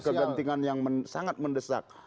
kegentingan yang sangat mendesak